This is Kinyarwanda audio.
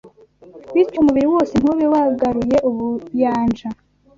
bityo umubiri wose ntube wagaruye ubuyanja